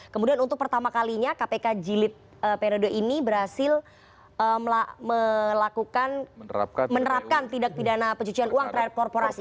kemudian untuk pertama kalinya kpk jilid periode ini berhasil melakukan menerapkan tidak pidana pencucian uang terhadap korporasi